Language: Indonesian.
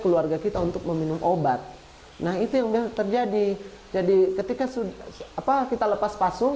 keluarga kita untuk meminum obat nah itu yang terjadi jadi ketika sudah apa kita lepas pasung